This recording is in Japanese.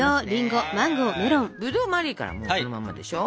ぶどうは丸いからそのまんまでしょ。